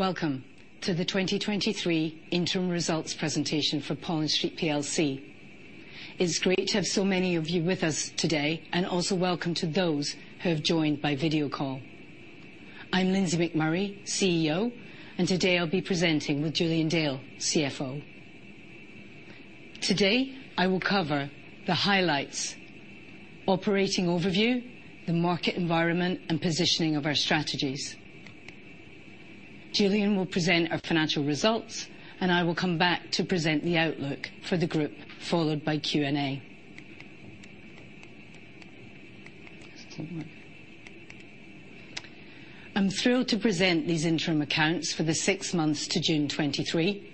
Welcome to the 2023 interim results presentation for Pollen Street PLC. It's great to have so many of you with us today, and also welcome to those who have joined by video call. I'm Lindsey McMurray, CEO, and today I'll be presenting with Julian Dale, CFO. Today, I will cover the highlights, operating overview, the market environment, and positioning of our strategies. Julian will present our financial results, and I will come back to present the outlook for the group, followed by Q&A. I'm thrilled to present these interim accounts for the six months to June 2023,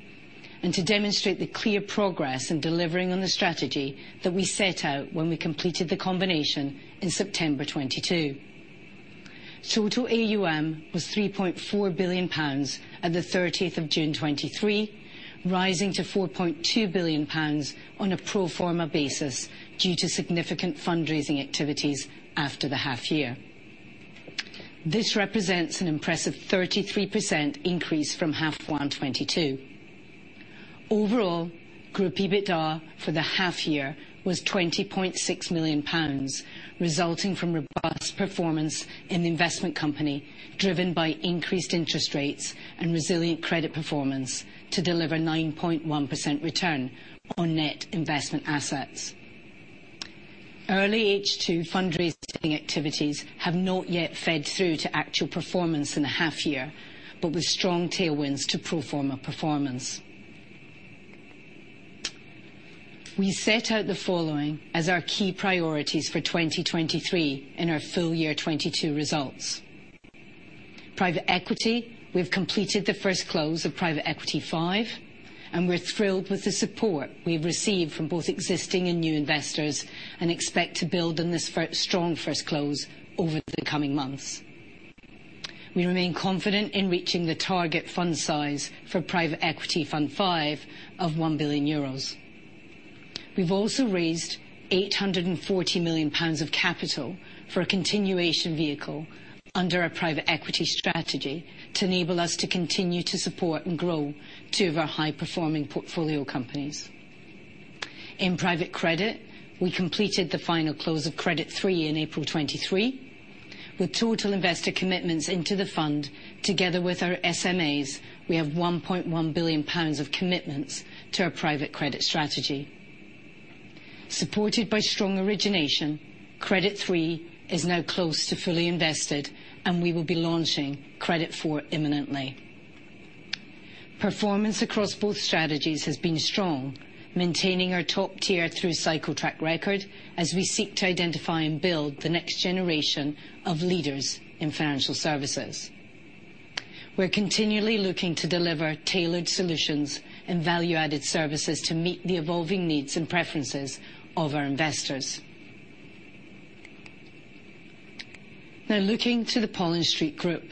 and to demonstrate the clear progress in delivering on the strategy that we set out when we completed the combination in September 2022. Total AUM was 3.4 billion pounds at the 30th of June 2023, rising to 4.2 billion pounds on a pro forma basis due to significant fundraising activities after the half year. This represents an impressive 33% increase from H1 2022. Overall, group EBITDA for the half year was 20.6 million pounds, resulting from robust performance in the investment company, driven by increased interest rates and resilient credit performance to deliver 9.1% return on net investment assets. Early H2 fundraising activities have not yet fed through to actual performance in a half year, but with strong tailwinds to pro forma performance. We set out the following as our key priorities for 2023 in our full year 2022 results. Private equity, we've completed the first close of Private Equity Five, and we're thrilled with the support we've received from both existing and new investors and expect to build on this strong first close over the coming months. We remain confident in reaching the target fund size for Private Equity Fund Five of 1 billion euros. We've also raised 840 million pounds of capital for a continuation vehicle under our private equity strategy to enable us to continue to support and grow two of our high-performing portfolio companies. In private credit, we completed the final close of Credit three in April 2023, with total investor commitments into the fund. Together with our SMAs, we have 1.1 billion pounds of commitments to our private credit strategy. Supported by strong origination, Credit Three is now close to fully invested, and we will be launching Credit Four imminently. Performance across both strategies has been strong, maintaining our top tier through cycle track record as we seek to identify and build the next generation of leaders in financial services. We're continually looking to deliver tailored solutions and value-added services to meet the evolving needs and preferences of our investors. Now, looking to the Pollen Street Group.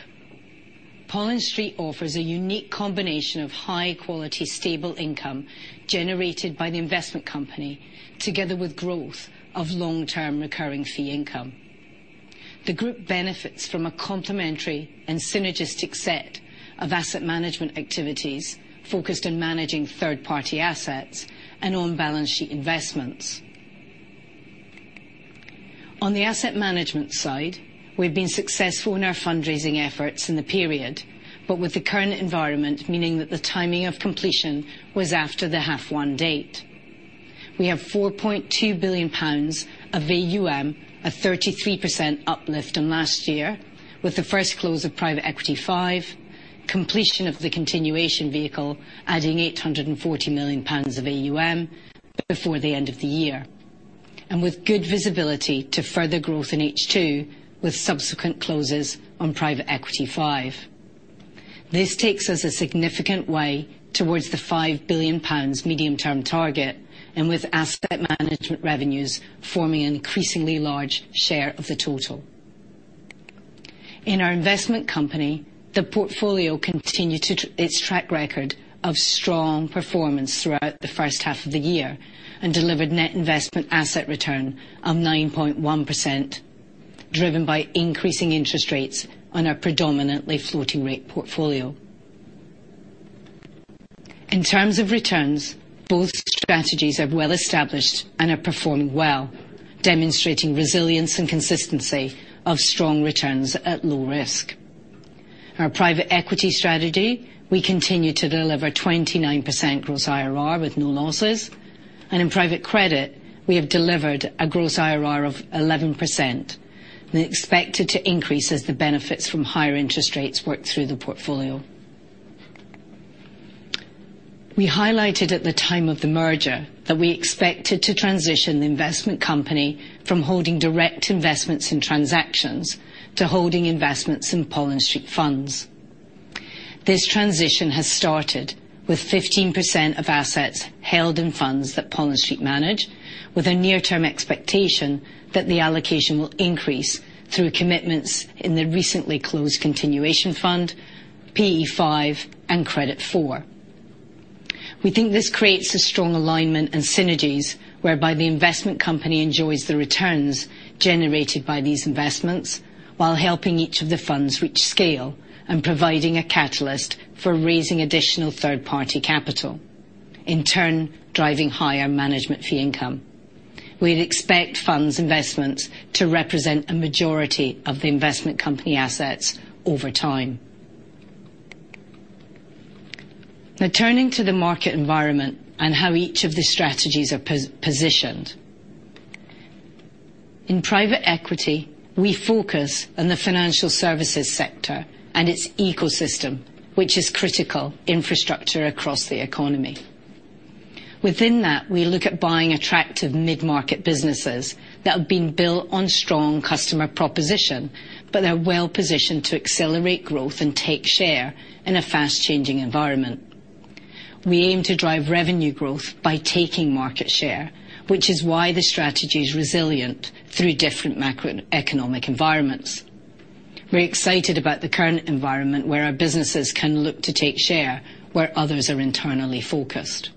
Pollen Street offers a unique combination of high-quality, stable income generated by the investment company, together with growth of long-term recurring fee income. The group benefits from a complementary and synergistic set of asset management activities focused on managing third-party assets and on-balance sheet investments. On the asset management side, we've been successful in our fundraising efforts in the period, but with the current environment, meaning that the timing of completion was after the half one date. We have 4.2 billion pounds of AUM, a 33% uplift in last year, with the first close of Private Equity Five, completion of the continuation vehicle adding 840 million pounds of AUM before the end of the year, and with good visibility to further growth in H2, with subsequent closes on Private Equity Five. This takes us a significant way towards the 5 billion pounds medium-term target, and with asset management revenues forming an increasingly large share of the total. In our investment company, the portfolio continued to... Its track record of strong performance throughout the first half of the year and delivered net investment asset return of 9.1%, driven by increasing interest rates on our predominantly floating rate portfolio. In terms of returns, both strategies are well-established and are performing well, demonstrating resilience and consistency of strong returns at low risk. Our private equity strategy, we continue to deliver 29% Gross IRR with no losses, and in private credit, we have delivered a Gross IRR of 11% and expected to increase as the benefits from higher interest rates work through the portfolio. We highlighted at the time of the merger that we expected to transition the investment company from holding direct investments in transactions to holding investments in Pollen Street funds. This transition has started with 15% of assets held in funds that Pollen Street manage, with a near-term expectation that the allocation will increase through commitments in the recently closed continuation fund, PE Five and Credit Four. We think this creates a strong alignment and synergies, whereby the investment company enjoys the returns generated by these investments, while helping each of the funds reach scale and providing a catalyst for raising additional third-party capital, in turn, driving higher management fee income. We'd expect funds investments to represent a majority of the investment company assets over time. Now, turning to the market environment and how each of the strategies are positioned. In private equity, we focus on the financial services sector and its ecosystem, which is critical infrastructure across the economy. Within that, we look at buying attractive mid-market businesses that have been built on strong customer proposition, but are well-positioned to accelerate growth and take share in a fast-changing environment. We aim to drive revenue growth by taking market share, which is why the strategy is resilient through different macroeconomic environments. We're excited about the current environment, where our businesses can look to take share, where others are internally focused.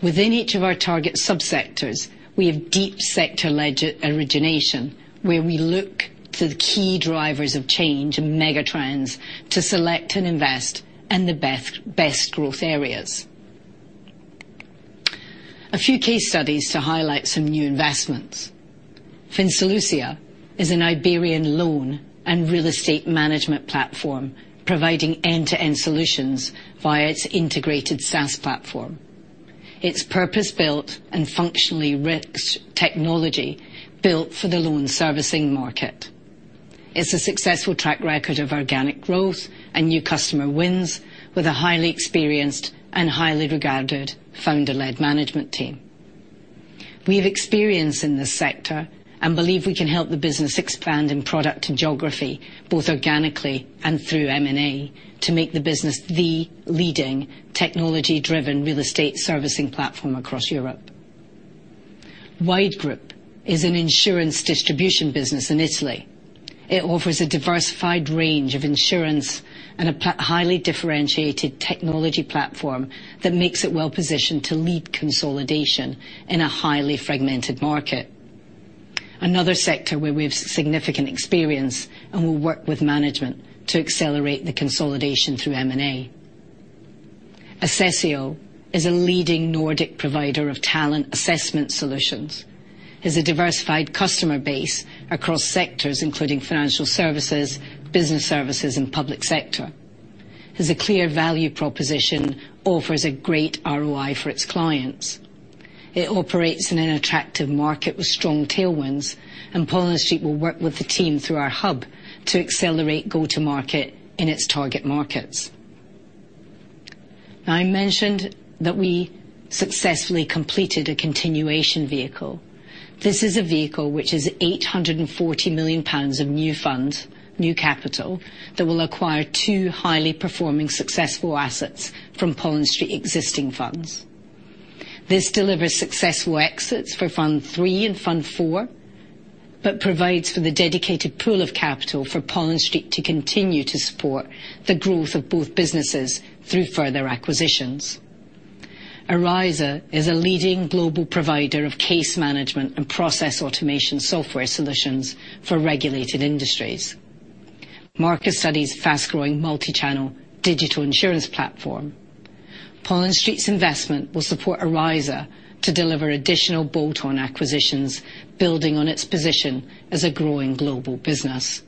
Within each of our target sub-sectors, we have deep sector-led origination, where we look to the key drivers of change and megatrends to select and invest in the best, best growth areas. A few case studies to highlight some new investments. Finsolutia is an Iberian loan and real estate management platform, providing end-to-end solutions via its integrated SaaS platform. It's purpose-built and functionally rich technology, built for the loan servicing market. It's a successful track record of organic growth and new customer wins with a highly experienced and highly regarded founder-led management team. We have experience in this sector and believe we can help the business expand in product and geography, both organically and through M&A, to make the business the leading technology-driven real estate servicing platform across Europe. Wide Group is an insurance distribution business in Italy. It offers a diversified range of insurance and a highly differentiated technology platform that makes it well-positioned to lead consolidation in a highly fragmented market. Another sector where we have significant experience and will work with management to accelerate the consolidation through M&A. Assessio is a leading Nordic provider of talent assessment solutions. It has a diversified customer base across sectors, including financial services, business services, and public sector. Has a clear value proposition, offers a great ROI for its clients. It operates in an attractive market with strong tailwinds, and Pollen Street will work with the team through our hub to accelerate go-to-market in its target markets. Now, I mentioned that we successfully completed a continuation vehicle. This is a vehicle which is 840 million pounds of new funds, new capital, that will acquire two highly performing successful assets from Pollen Street existing funds. This delivers successful exits for Fund Three and Fund Four, but provides for the dedicated pool of capital for Pollen Street to continue to support the growth of both businesses through further acquisitions. Aryza is a leading global provider of case management and process automation software solutions for regulated industries. Markerstudy's fast-growing, multi-channel digital insurance platform. Pollen Street's investment will support Aryza to deliver additional bolt-on acquisitions, building on its position as a growing global business.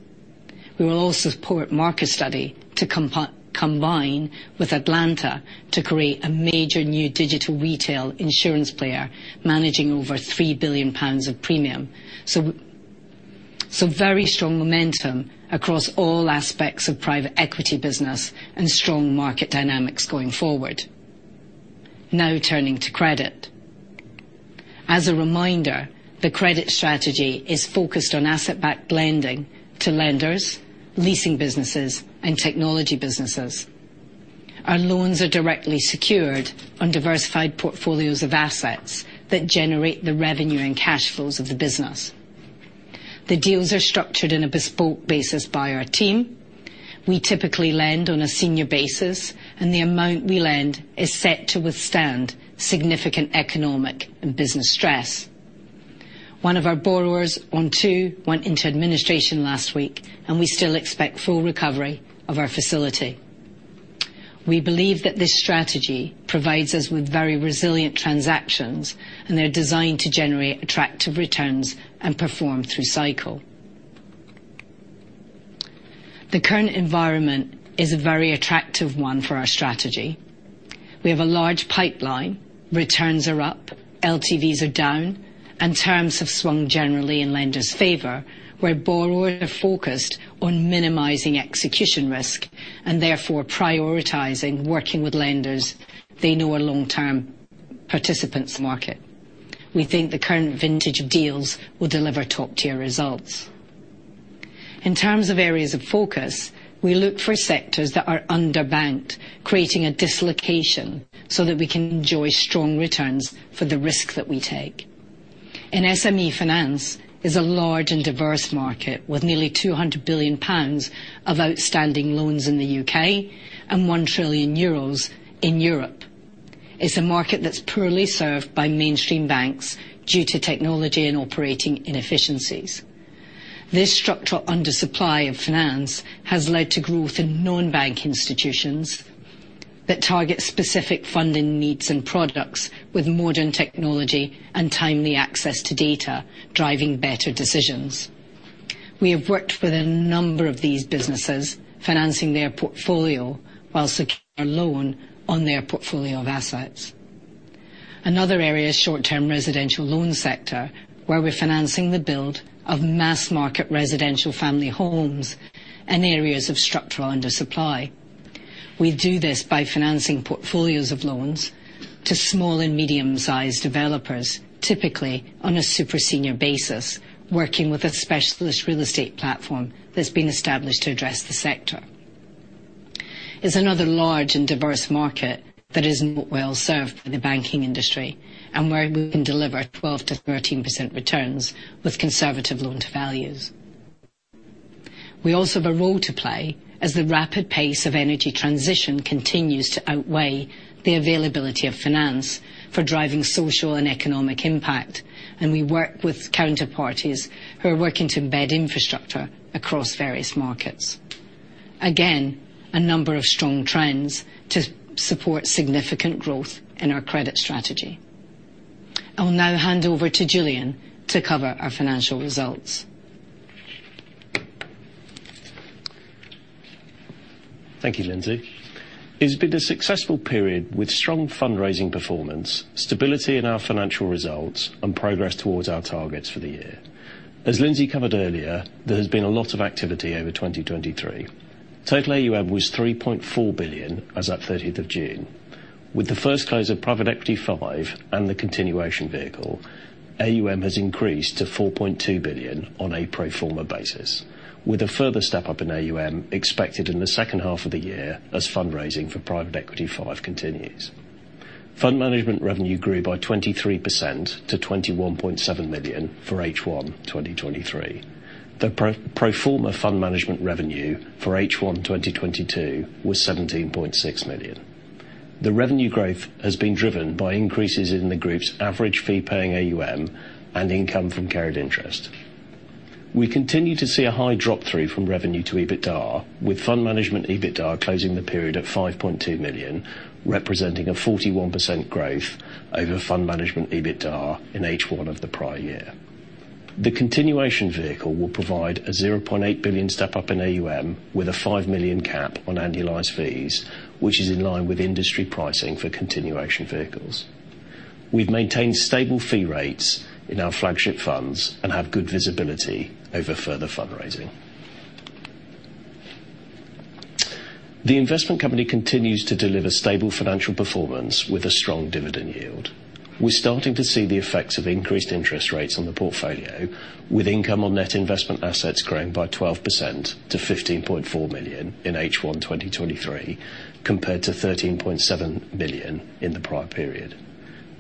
We will also support Markerstudy to combine with Atlanta to create a major new digital retail insurance player, managing over 3 billion pounds of premium. So, so very strong momentum across all aspects of private equity business and strong market dynamics going forward. Now, turning to credit. As a reminder, the credit strategy is focused on asset-backed lending to lenders, leasing businesses, and technology businesses. Our loans are directly secured on diversified portfolios of assets that generate the revenue and cash flows of the business. The deals are structured in a bespoke basis by our team. We typically lend on a senior basis, and the amount we lend is set to withstand significant economic and business stress. One of our borrowers, Onto, went into administration last week, and we still expect full recovery of our facility. We believe that this strategy provides us with very resilient transactions, and they're designed to generate attractive returns and perform through cycle. The current environment is a very attractive one for our strategy. We have a large pipeline, returns are up, LTVs are down, and terms have swung generally in lenders' favor, where borrowers are focused on minimizing execution risk and therefore prioritizing working with lenders they know are long-term participants market. We think the current vintage of deals will deliver top-tier results. In terms of areas of focus, we look for sectors that are underbanked, creating a dislocation so that we can enjoy strong returns for the risk that we take... SME finance is a large and diverse market, with nearly 200 billion pounds of outstanding loans in the U.K. and 1 trillion euros in Europe. It's a market that's poorly served by mainstream banks due to technology and operating inefficiencies. This structural undersupply of finance has led to growth in non-bank institutions that target specific funding needs and products with modern technology and timely access to data, driving better decisions. We have worked with a number of these businesses, financing their portfolio while securing a loan on their portfolio of assets. Another area is short-term residential loan sector, where we're financing the build of mass-market residential family homes in areas of structural undersupply. We do this by financing portfolios of loans to small and medium-sized developers, typically on a super senior basis, working with a specialist real estate platform that's been established to address the sector. It's another large and diverse market that isn't well served by the banking industry, and where we can deliver 12%-13% returns with conservative loan-to-values. We also have a role to play, as the rapid pace of energy transition continues to outweigh the availability of finance for driving social and economic impact, and we work with counterparties who are working to embed infrastructure across various markets. Again, a number of strong trends to support significant growth in our credit strategy. I will now hand over to Julian to cover our financial results. Thank you, Lindsey. It's been a successful period, with strong fundraising performance, stability in our financial results, and progress towards our targets for the year. As Lindsey covered earlier, there has been a lot of activity over 2023. Total AUM was 3.4 billion as at 13th of June. With the first close of Private Equity Five and the continuation vehicle, AUM has increased to 4.2 billion on a pro forma basis, with a further step-up in AUM expected in the second half of the year as fundraising for Private Equity Five continues. Fund management revenue grew by 23% to 21.7 million for H1 2023. The pro forma fund management revenue for H1 2022 was 17.6 million. The revenue growth has been driven by increases in the group's average fee-paying AUM and income from carried interest. We continue to see a high drop-through from revenue to EBITDA, with fund management EBITDA closing the period at 5.2 million, representing a 41% growth over fund management EBITDA in H1 of the prior year. The continuation vehicle will provide a 0.8 billion step-up in AUM with a 5 million cap on annualized fees, which is in line with industry pricing for continuation vehicles. We've maintained stable fee rates in our flagship funds and have good visibility over further fundraising. The investment company continues to deliver stable financial performance with a strong dividend yield. We're starting to see the effects of increased interest rates on the portfolio, with income on net investment assets growing by 12% to 15.4 million in H1 2023, compared to 13.7 billion in the prior period.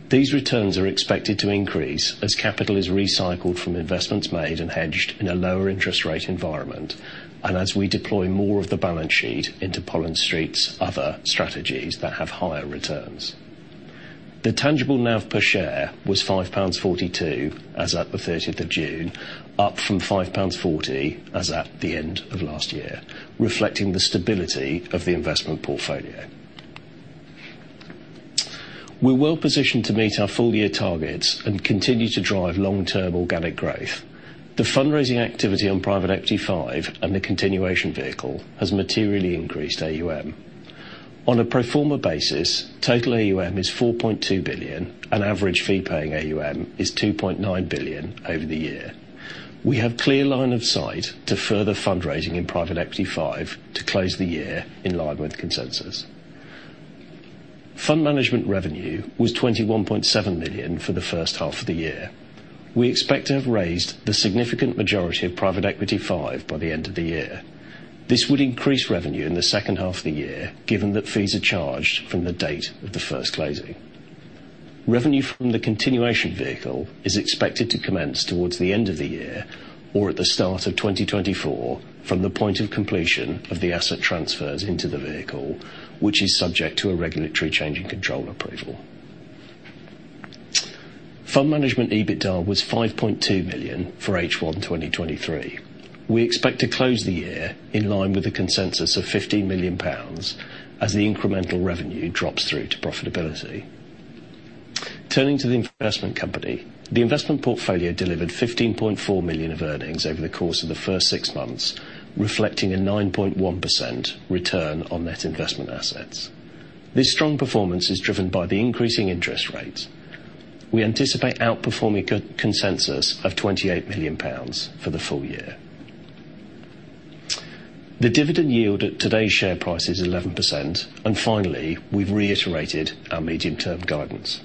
These returns are expected to increase as capital is recycled from investments made and hedged in a lower interest rate environment, and as we deploy more of the balance sheet into Pollen Street's other strategies that have higher returns. The tangible NAV per share was 5.42 pounds, as at the thirtieth of June, up from 5.40 pounds, as at the end of last year, reflecting the stability of the investment portfolio. We're well positioned to meet our full year targets and continue to drive long-term organic growth. The fundraising activity on Private Equity Five and the continuation vehicle has materially increased AUM. On a pro forma basis, total AUM is 4.2 billion, and average fee-paying AUM is 2.9 billion over the year. We have clear line of sight to further fundraising in Private Equity Five to close the year in line with consensus. Fund management revenue was 21.7 million for the first half of the year. We expect to have raised the significant majority of Private Equity Five by the end of the year. This would increase revenue in the second half of the year, given that fees are charged from the date of the first closing. Revenue from the continuation vehicle is expected to commence towards the end of the year or at the start of 2024, from the point of completion of the asset transfers into the vehicle, which is subject to a regulatory change in control approval. Fund management EBITDA was 5.2 million for H1 2023. We expect to close the year in line with a consensus of 15 million pounds, as the incremental revenue drops through to profitability. Turning to the investment company, the investment portfolio delivered 15.4 million of earnings over the course of the first six months, reflecting a 9.1% return on net investment assets. This strong performance is driven by the increasing interest rates. We anticipate outperforming consensus of 28 million pounds for the full year. The dividend yield at today's share price is 11%. And finally, we've reiterated our medium-term guidance.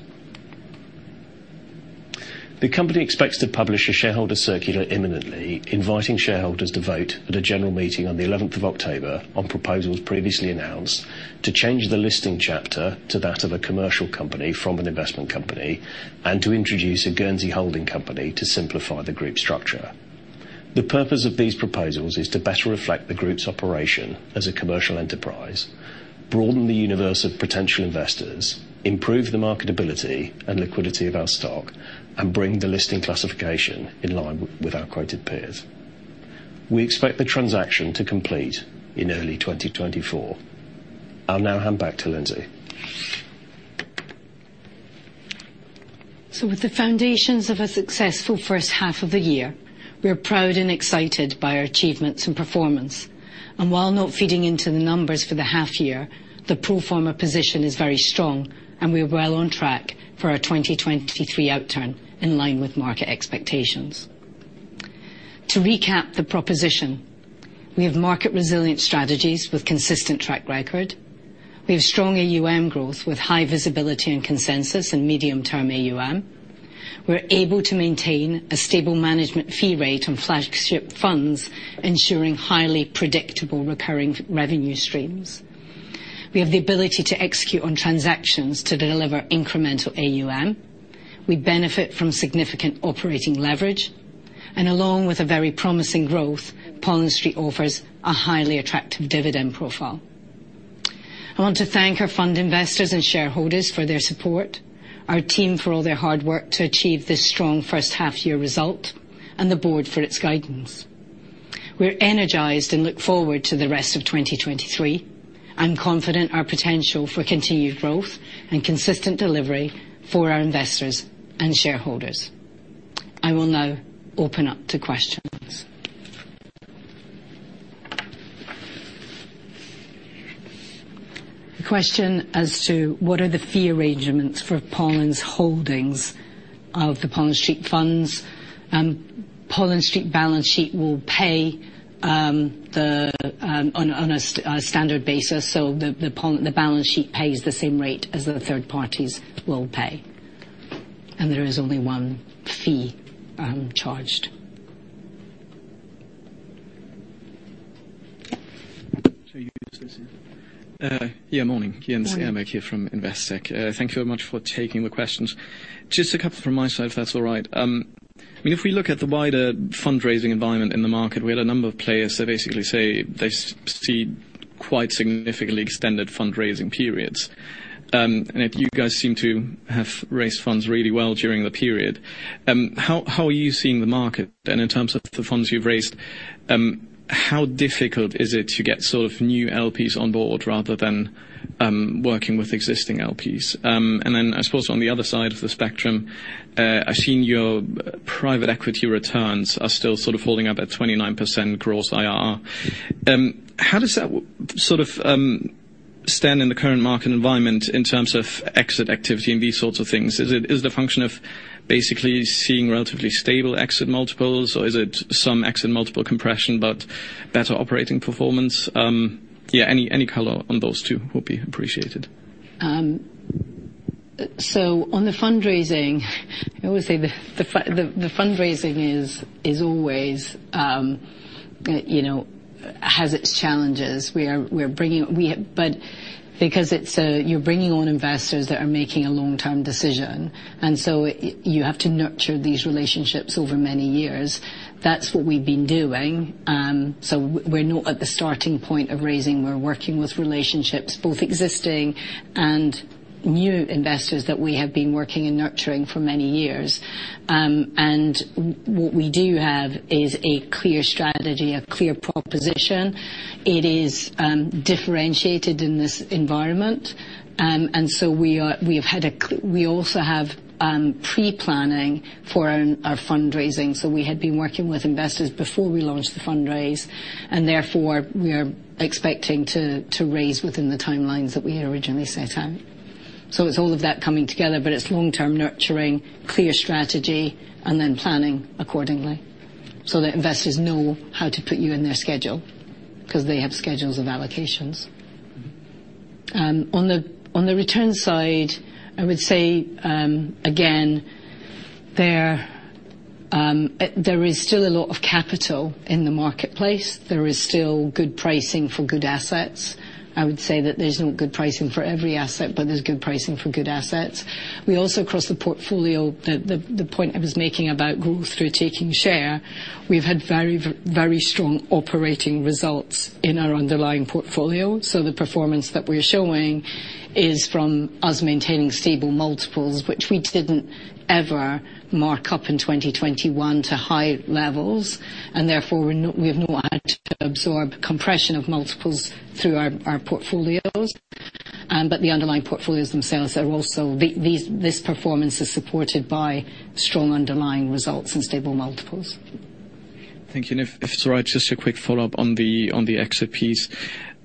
The company expects to publish a shareholder circular imminently, inviting shareholders to vote at a general meeting on the eleventh of October on proposals previously announced to change the listing chapter to that of a commercial company from an investment company, and to introduce a Guernsey holding company to simplify the group structure. The purpose of these proposals is to better reflect the group's operation as a commercial enterprise, broaden the universe of potential investors, improve the marketability and liquidity of our stock, and bring the listing classification in line with our quoted peers. We expect the transaction to complete in early 2024. I'll now hand back to Lindsey. With the foundations of a successful first half of the year, we are proud and excited by our achievements and performance. While not feeding into the numbers for the half year, the pro forma position is very strong, and we're well on track for our 2023 outturn, in line with market expectations. To recap the proposition, we have market resilient strategies with consistent track record. We have strong AUM growth with high visibility and consensus and medium-term AUM. We're able to maintain a stable management fee rate on flagship funds, ensuring highly predictable recurring revenue streams. We have the ability to execute on transactions to deliver incremental AUM. We benefit from significant operating leverage, and along with a very promising growth, Pollen Street offers a highly attractive dividend profile. I want to thank our fund investors and shareholders for their support, our team for all their hard work to achieve this strong first half year result, and the board for its guidance. We're energized and look forward to the rest of 2023. I'm confident our potential for continued growth and consistent delivery for our investors and shareholders. I will now open up to questions. A question as to what are the fee arrangements for Pollen Street's holdings of the Pollen Street funds? Pollen Street balance sheet will pay the on a standard basis, so the balance sheet pays the same rate as the third parties will pay. And there is only one fee charged. So Lindsey. Yeah, morning. Morning. Jens Ehrenberg here from Investec. Thank you very much for taking the questions. Just a couple from my side, if that's all right. I mean, if we look at the wider fundraising environment in the market, we have a number of players that basically say they see quite significantly extended fundraising periods. And yet you guys seem to have raised funds really well during the period. How are you seeing the market? And in terms of the funds you've raised, how difficult is it to get sort of new LPs on board rather than working with existing LPs? And then, I suppose, on the other side of the spectrum, I've seen your private equity returns are still sort of holding up at 29% growth IRR. How does that sort of stand in the current market environment in terms of exit activity and these sorts of things? Is it the function of basically seeing relatively stable exit multiples, or is it some exit multiple compression, but better operating performance? Yeah, any color on those two would be appreciated. So on the fundraising, I always say the fundraising is always, you know, has its challenges. But because it's a, you're bringing on investors that are making a long-term decision, and so you have to nurture these relationships over many years. That's what we've been doing. So we're not at the starting point of raising. We're working with relationships, both existing and new investors that we have been working and nurturing for many years. And what we do have is a clear strategy, a clear proposition. It is differentiated in this environment. And so we also have pre-planning for our fundraising. So we had been working with investors before we launched the fundraise, and therefore, we are expecting to raise within the timelines that we had originally set out. So it's all of that coming together, but it's long-term nurturing, clear strategy, and then planning accordingly, so that investors know how to put you in their schedule, 'cause they have schedules of allocations. Mm-hmm. On the return side, I would say, again, there is still a lot of capital in the marketplace. There is still good pricing for good assets. I would say that there's no good pricing for every asset, but there's good pricing for good assets. We also, across the portfolio, the point I was making about growth through taking share, we've had very strong operating results in our underlying portfolio. So the performance that we're showing is from us maintaining stable multiples, which we didn't ever mark up in 2021 to high levels, and therefore, we have not had to absorb compression of multiples through our portfolios. But the underlying portfolios themselves are also... This performance is supported by strong underlying results and stable multiples. Thank you. If it's all right, just a quick follow-up on the exit piece.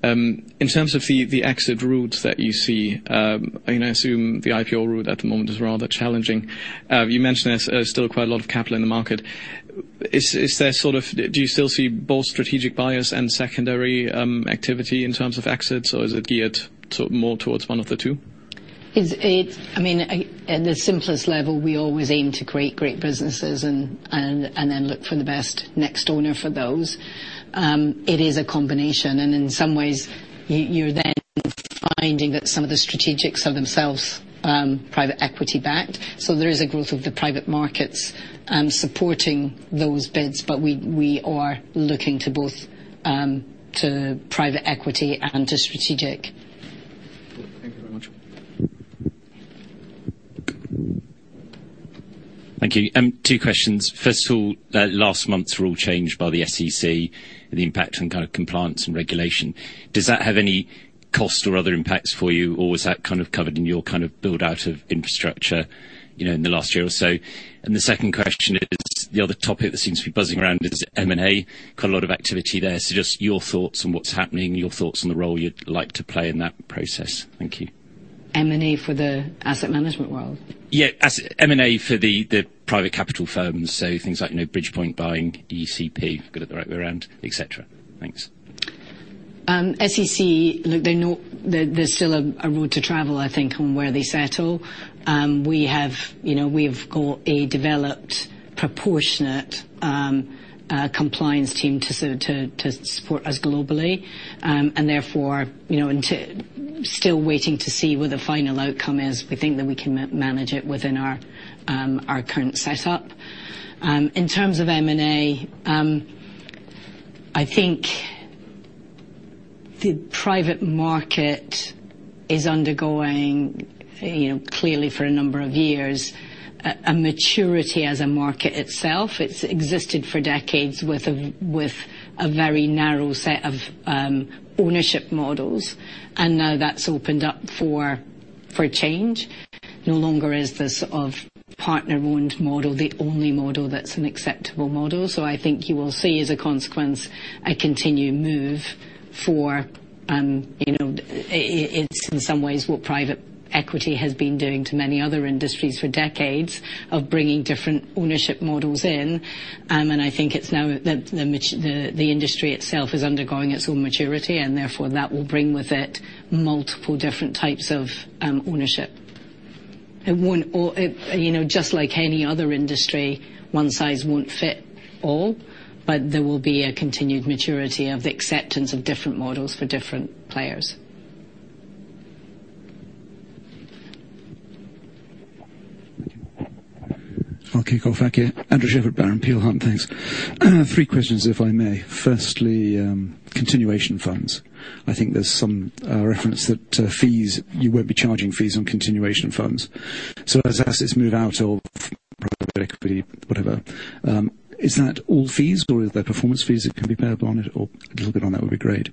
In terms of the exit routes that you see, and I assume the IPO route at the moment is rather challenging. You mentioned there's still quite a lot of capital in the market. Is there sort of... Do you still see both strategic buyers and secondary activity in terms of exits, or is it geared sort of more towards one of the two? It's, I mean, at the simplest level, we always aim to create great businesses and then look for the best next owner for those. It is a combination, and in some ways, you're then finding that some of the strategics are themselves private equity-backed. So there is a growth of the private markets supporting those bids, but we are looking to both to private equity and to strategic. Thank you. Two questions. First of all, last month's rule change by the SEC, the impact on kind of compliance and regulation. Does that have any cost or other impacts for you, or was that kind of covered in your kind of build-out of infrastructure, you know, in the last year or so? And the second question is, the other topic that seems to be buzzing around is M&A. Quite a lot of activity there. So just your thoughts on what's happening, your thoughts on the role you'd like to play in that process. Thank you. M&A for the asset management world? Yeah, as M&A for the private capital firms. So things like, you know, Bridgepoint buying ECP, got it the right way around, et cetera. Thanks. SEC, look, they're not-- there's still a road to travel, I think, on where they settle. We have, you know, we've got a developed, proportionate compliance team to sort of support us globally. And therefore, you know, and to... Still waiting to see what the final outcome is. We think that we can manage it within our current setup. In terms of M&A, I think the private market is undergoing, you know, clearly for a number of years, a maturity as a market itself. It's existed for decades with a very narrow set of ownership models, and now that's opened up for change. No longer is this of partner-owned model, the only model that's an acceptable model. So I think you will see, as a consequence, a continued move for, you know, it's in some ways what private equity has been doing to many other industries for decades of bringing different ownership models in. And I think it's now the industry itself is undergoing its own maturity, and therefore, that will bring with it multiple different types of ownership. It won't all, you know, just like any other industry, one size won't fit all, but there will be a continued maturity of the acceptance of different models for different players. Okay, cool. Thank you. Andrew Shepherd from Peel Hunt. Thanks. Three questions, if I may. Firstly, continuation funds. I think there's some reference that fees, you won't be charging fees on continuation funds. So as assets move out of private equity, whatever, is that all fees, or is there performance fees that can be paid on it, or a little bit on that would be great.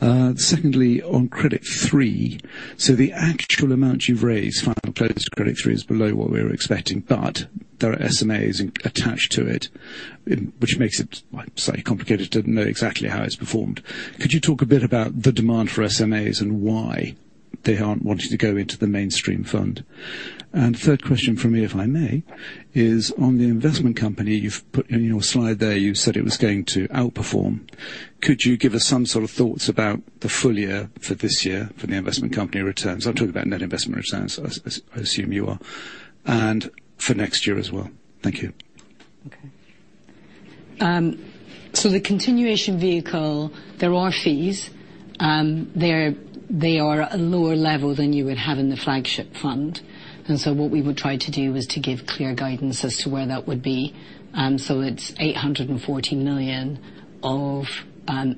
Secondly, on Credit Three, so the actual amount you've raised, fund close to Credit Three, is below what we were expecting, but there are SMAs attached to it, which makes it slightly complicated to know exactly how it's performed. Could you talk a bit about the demand for SMAs and why they aren't wanting to go into the mainstream fund? And third question from me, if I may, is on the investment company. You've put in your slide there. You said it was going to outperform. Could you give us some sort of thoughts about the full year for this year for the investment company returns? I'm talking about net investment returns, as, as I assume you are, and for next year as well. Thank you. Okay. So the continuation vehicle, there are fees. They're, they are a lower level than you would have in the flagship fund, and so what we would try to do is to give clear guidance as to where that would be. So it's 840 million of AUM.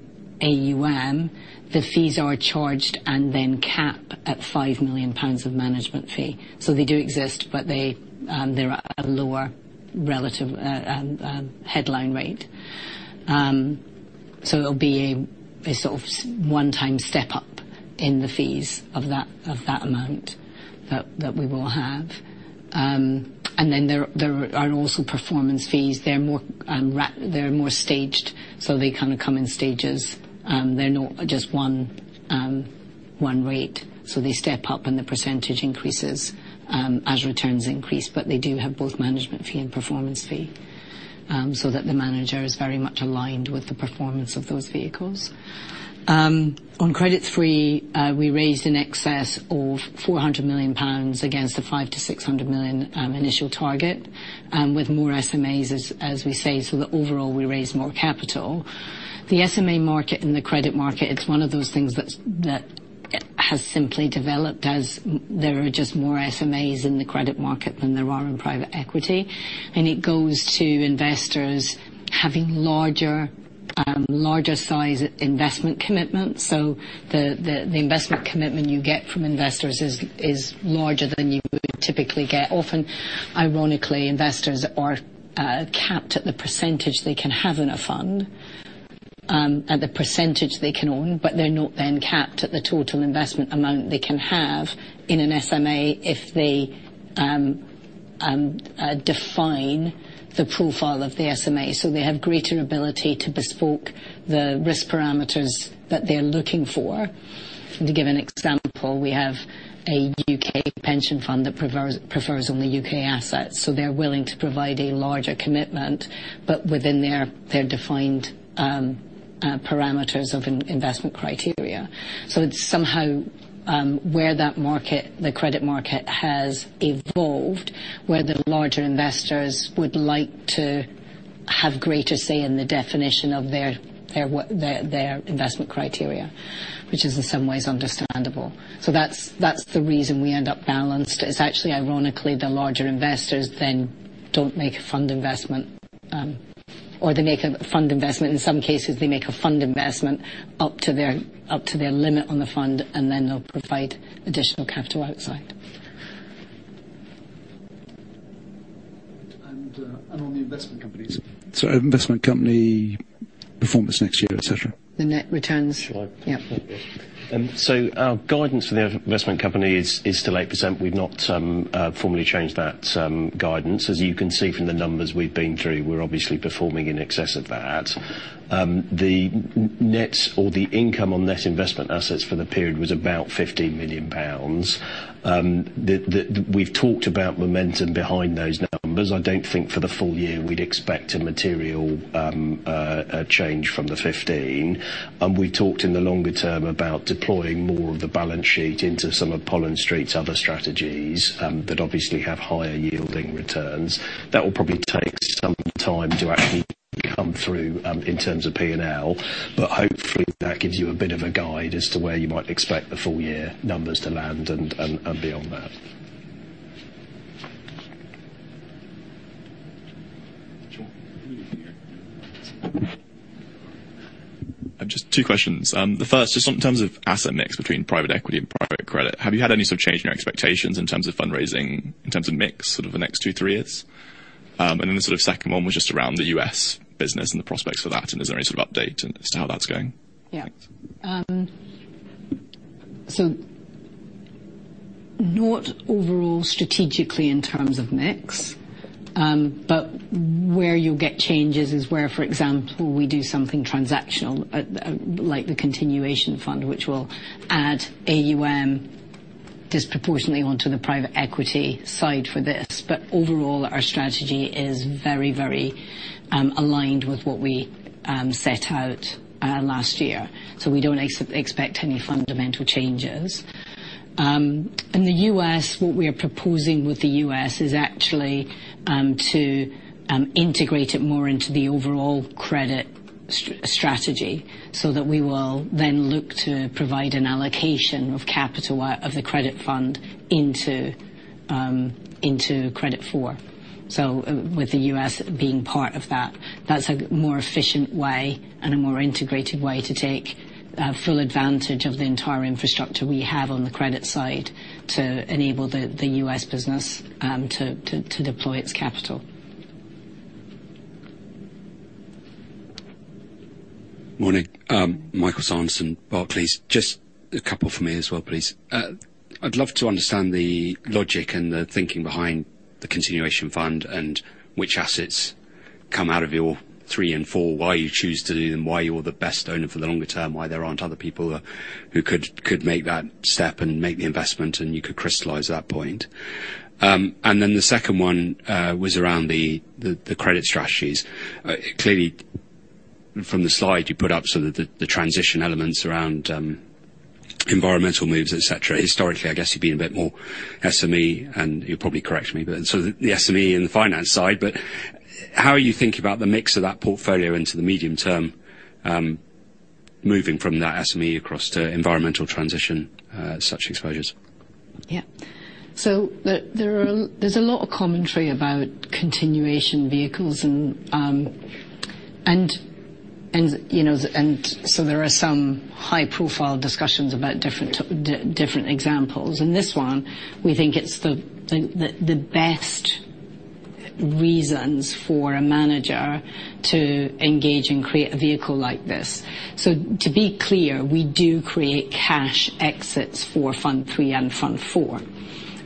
The fees are charged and then cap at 5 million pounds of management fee. So they do exist, but they, they're at a lower relative headline rate. So it'll be a sort of one-time step up in the fees of that amount that we will have. And then there are also performance fees. They're more staged, so they kind of come in stages. They're not just one rate, so they step up, and the percentage increases as returns increase. But they do have both management fee and performance fee, so that the manager is very much aligned with the performance of those vehicles. On Credit Three, we raised in excess of 400 million pounds against the 500 million-600 million initial target, with more SMAs, as we say, so that overall, we raised more capital. The SMA market and the credit market, it's one of those things that has simply developed as there are just more SMAs in the credit market than there are in private equity. And it goes to investors having larger size investment commitments. So the investment commitment you get from investors is larger than you would typically get. Often, ironically, investors are capped at the percentage they can have in a fund at the percentage they can own, but they're not then capped at the total investment amount they can have in an SMA if they define the profile of the SMA. So they have greater ability to bespoke the risk parameters that they're looking for. To give an example, we have a U.K. pension fund that prefers only U.K. assets, so they're willing to provide a larger commitment, but within their defined parameters of investment criteria. So it's somehow where that market, the credit market, has evolved, where the larger investors would like to have greater say in the definition of their investment criteria, which is in some ways understandable. So that's, that's the reason we end up balanced, is actually, ironically, the larger investors then don't make a fund investment, or they make a fund investment. In some cases, they make a fund investment up to their, up to their limit on the fund, and then they'll provide additional capital outside. And, and on the investment companies. So investment company performance next year, et cetera. The net returns? Sure. Yeah. So our guidance for the investment company is still 8%. We've not formally changed that guidance. As you can see from the numbers we've been through, we're obviously performing in excess of that. The net or the income on net investment assets for the period was about 15 million pounds. The, we've talked about momentum behind those numbers. I don't think for the full year we'd expect a material change from the 15. And we talked in the longer term about deploying more of the balance sheet into some of Pollen Street's other strategies that obviously have higher-yielding returns. That will probably take some time to actually come through in terms of P&L, but hopefully, that gives you a bit of a guide as to where you might expect the full year numbers to land and beyond that. I've just two questions. The first is in terms of asset mix between private equity and private credit. Have you had any sort of change in your expectations in terms of fundraising, in terms of mix, sort of the next 2-3 years? And then the sort of second one was just around the U.S. business and the prospects for that, and is there any sort of update as to how that's going? Yeah. So not overall strategically in terms of mix, but where you'll get changes is where, for example, we do something transactional, like the continuation fund, which will add AUM disproportionately onto the private equity side for this. But overall, our strategy is very, very aligned with what we set out last year. So we don't expect any fundamental changes. In the U.S., what we are proposing with the U.S. is actually to integrate it more into the overall credit strategy, so that we will then look to provide an allocation of capital of the credit fund into Credit Four. So with the U.S. being part of that, that's a more efficient way and a more integrated way to take full advantage of the entire infrastructure we have on the credit side to enable the U.S. business to deploy its capital. Morning. Michael Sanderson, Barclays. Just a couple for me as well, please. I'd love to understand the logic and the thinking behind the continuation fund and which assets come out of your three and four, why you choose to do them, why you're the best owner for the longer term, why there aren't other people who could make that step and make the investment, and you could crystallize that point. And then the second one was around the credit strategies. Clearly from the slide you put up, so the transition elements around environmental moves, et cetera. Historically, I guess you've been a bit more SME, and you'll probably correct me, but so the SME and the finance side, but how are you thinking about the mix of that portfolio into the medium term, moving from that SME across to environmental transition, such exposures? Yeah. So there is a lot of commentary about continuation vehicles and, you know, and so there are some high-profile discussions about different examples. In this one, we think it's the best reasons for a manager to engage and create a vehicle like this. So to be clear, we do create cash exits for fund three and fund four,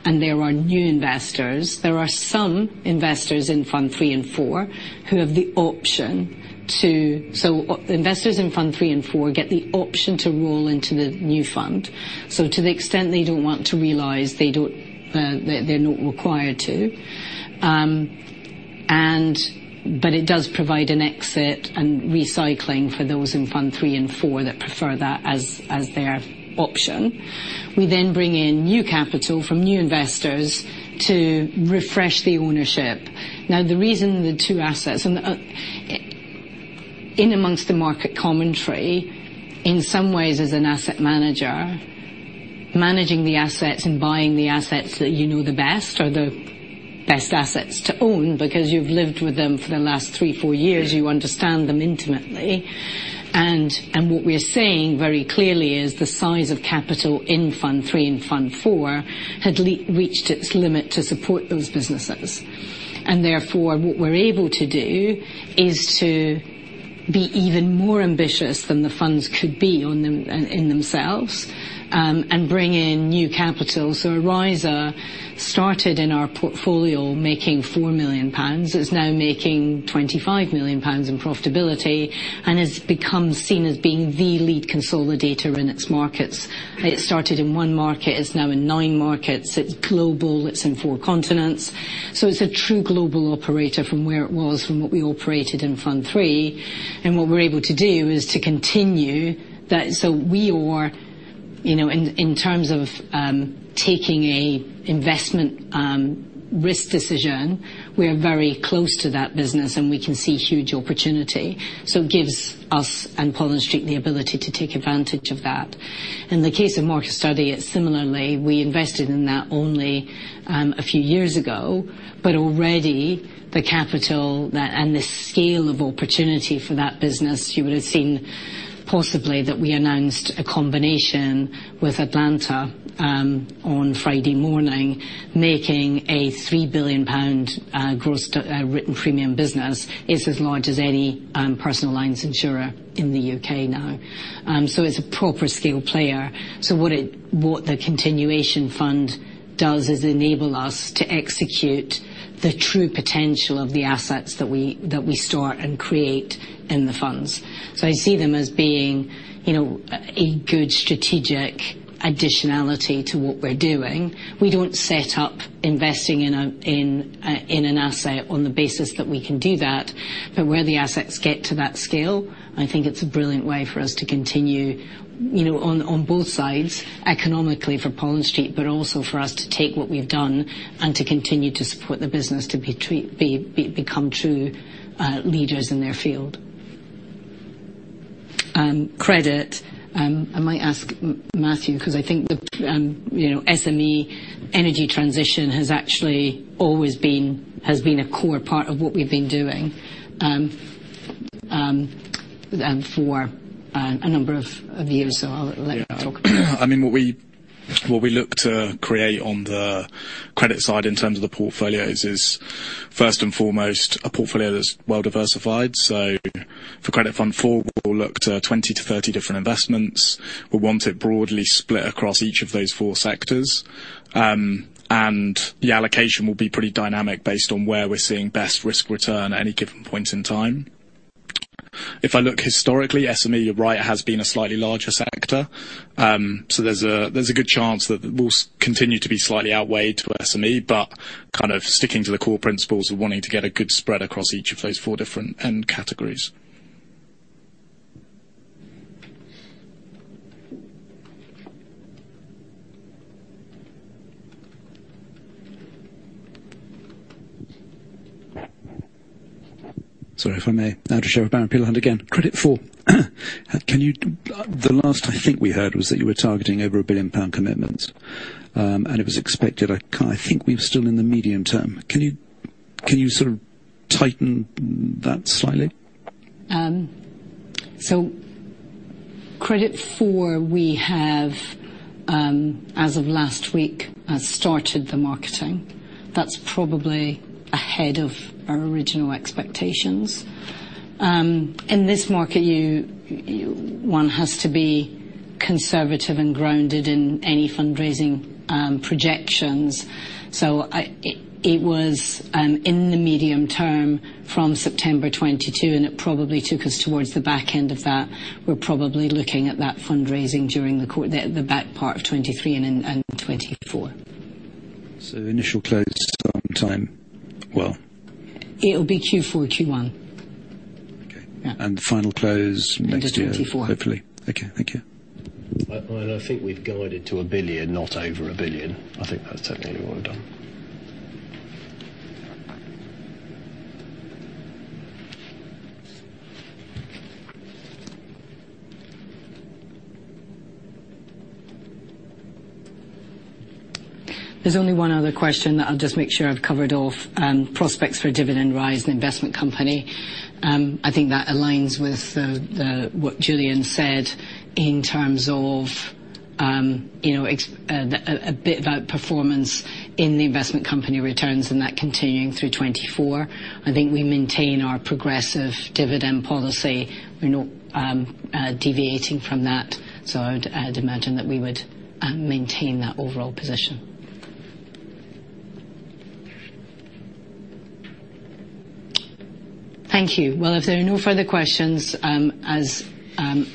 and there are new investors. There are some investors in fund three and four who have the option to... So investors in fund three and four get the option to roll into the new fund. So to the extent they don't want to realize, they don't, they're not required to. But it does provide an exit and recycling for those in fund three and four that prefer that as their option. We then bring in new capital from new investors to refresh the ownership. Now, the reason the two assets... And, in among the market commentary, in some ways, as an asset manager, managing the assets and buying the assets that you know the best are the best assets to own, because you've lived with them for the last three, four years, you understand them intimately. And, and what we are saying very clearly is the size of capital in fund three and fund four had reached its limit to support those businesses. And therefore, what we're able to do is to be even more ambitious than the funds could be on them in themselves, and bring in new capital. So Aryza started in our portfolio making 4 million pounds. It's now making 25 million pounds in profitability and has become seen as being the lead consolidator in its markets. It started in one market, it's now in nine markets. It's global, it's in four continents. So it's a true global operator from where it was, from what we operated in fund three. And what we're able to do is to continue that. So we are. You know, in terms of taking an investment risk decision, we are very close to that business, and we can see huge opportunity. So it gives us and Pollen Street the ability to take advantage of that. In the case of Markerstudy, it's similarly, we invested in that only a few years ago, but already the capital that... And the scale of opportunity for that business, you would have seen possibly that we announced a combination with Atlanta on Friday morning, making a 3 billion pound gross to written premium business. It's as large as any personal lines insurer in the U.K. now. So it's a proper scale player. So what the continuation fund does is enable us to execute the true potential of the assets that we start and create in the funds. So I see them as being, you know, a good strategic additionality to what we're doing. We don't set up investing in an asset on the basis that we can do that. But where the assets get to that scale, I think it's a brilliant way for us to continue, you know, on both sides, economically for Pollen Street, but also for us to take what we've done and to continue to support the business to become true leaders in their field. Credit, I might ask Matthew, 'cause I think the, you know, SME energy transition has actually always been, has been a core part of what we've been doing, for a number of years, so I'll let you talk. I mean, what we look to create on the credit side in terms of the portfolios is, first and foremost, a portfolio that's well diversified. So for Credit Four, we'll look to 20-30 different investments. We want it broadly split across each of those four sectors. And the allocation will be pretty dynamic based on where we're seeing best risk return at any given point in time. If I look historically, SME, you're right, it has been a slightly larger sector. So there's a good chance that we'll continue to be slightly outweighed to SME, but kind of sticking to the core principles of wanting to get a good spread across each of those four different end categories. Sorry if I may. Andrew Sherpa of Peel Hunt, and again, Credit Four. Can you... The last, I think, we heard was that you were targeting over 1 billion pound commitments, and it was expected, I think we were still in the medium term. Can you sort of tighten that slightly? So Credit Four, we have, as of last week, has started the marketing. That's probably ahead of our original expectations. In this market, one has to be conservative and grounded in any fundraising projections. So it was in the medium term from September 2022, and it probably took us towards the back end of that. We're probably looking at that fundraising during the quarter, the back part of 2023 and 2024. So initial close on time, well? It'll be Q4, Q1. Okay. Yeah. The final close next year. Q4. Hopefully. Okay, thank you. I think we've guided to 1 billion, not over 1 billion. I think that's technically what we've done. There's only one other question that I'll just make sure I've covered off. Prospects for a dividend rise in the investment company. I think that aligns with what Julian said in terms of, you know, a bit of our performance in the investment company returns and that continuing through 2024. I think we maintain our progressive dividend policy. We're not deviating from that, so I'd imagine that we would maintain that overall position. Thank you. Well, if there are no further questions, as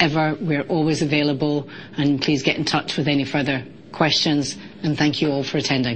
ever, we're always available, and please get in touch with any further questions, and thank you all for attending.